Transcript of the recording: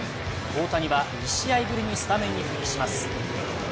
大谷は２試合ぶりにスタメンに復帰します。